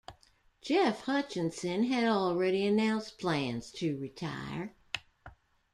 Jeff Hutcheson had already announced plans to retire.